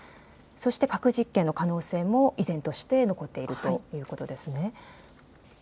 そして核実験の可能性も依然として残っているということですね。